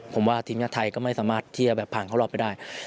ผมว่าทีมชาติไทยก็ไม่สามารถที่จะแบบผ่านเข้ารอบไปได้